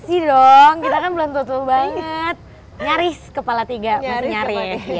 isi dong kita kan belum tutup banget nyaris kepala tiga masih nyari